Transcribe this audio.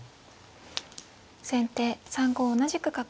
先手３五同じく角。